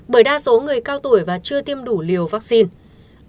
bởi đa số người cao tuổi và chưa tiêm đủ liều vaccine